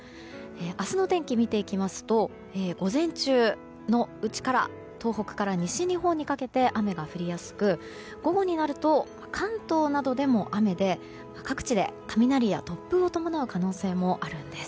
明日の天気を見ていきますと午前中のうちから東北から西日本にかけて雨が降りやすく午後になると関東などでも雨で各地で雷や突風を伴う可能性もあるんです。